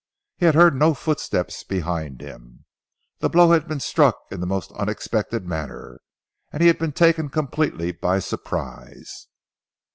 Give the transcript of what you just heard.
He had heard no footsteps behind him. The blow had been struck in the most unexpected manner, and he had been taken completely by surprise.